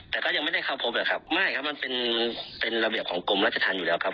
แต่ก็ยังไม่ได้เข้าพบเหรอครับไม่ครับมันเป็นเป็นระเบียบของกรมราชธรรมอยู่แล้วครับ